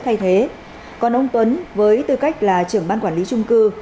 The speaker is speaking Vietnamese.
thay thế còn ông tuấn với tư cách là trưởng ban quản lý trung cư